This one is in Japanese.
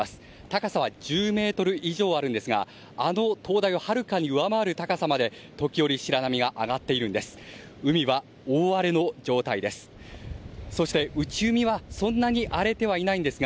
高さは１０ｍ以上あるんですがあの灯台をはるかに上回る高さまで時折、白波が上がっているんです。